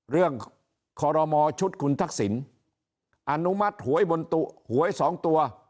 เรื่องคอรมอชุดคุณทักษิณอนุมัติหวยบนหวย๒ตัว